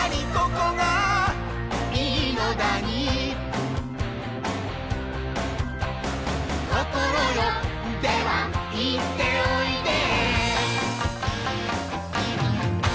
「こころよでは行っておいで」